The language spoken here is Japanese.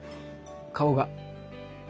顔が。